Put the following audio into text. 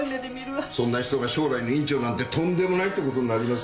そんな人が将来の院長なんてとんでもないって事になります。